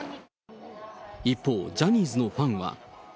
一方、ジャニーズのファンは。